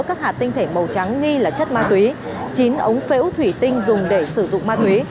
các hạt tinh thể màu trắng nghi là chất ma túy chín ống phễu thủy tinh dùng để sử dụng ma túy